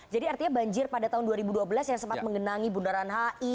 jadi artinya banjir pada tahun dua ribu dua belas yang sempat mengenangi bundaran hi